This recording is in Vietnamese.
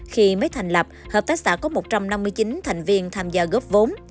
khi mới thành lập hợp tác xã có một trăm năm mươi chín thành viên tham gia góp vốn